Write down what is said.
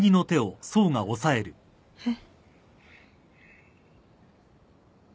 えっ？